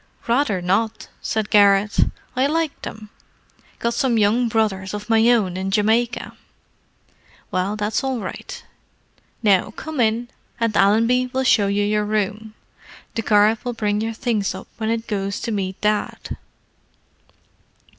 "Rather not!" said Garrett. "I like them—got some young brothers of my own in Jamaica." "Well, that's all right. Now come in, and Allenby will show you your room. The car will bring your things up when it goes to meet Dad."